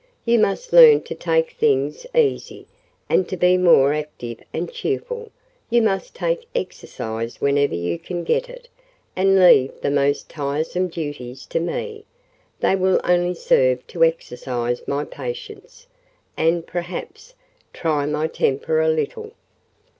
You must learn to take things easy, and to be more active and cheerful; you must take exercise whenever you can get it, and leave the most tiresome duties to me: they will only serve to exercise my patience, and, perhaps, try my temper a little."